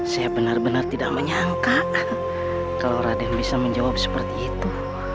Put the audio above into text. saya benar benar tidak menyangka kalau raden bisa menjawab seperti itu